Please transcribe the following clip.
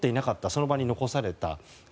その場に残された。